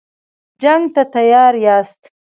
جنګ ته تیار یاست.